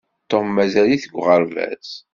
Tom mazal-it deg uɣerbaz.